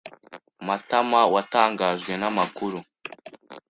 Matamawatangajwe n'amakuru.